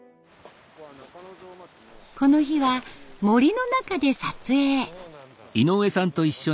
この日は森の中で撮影。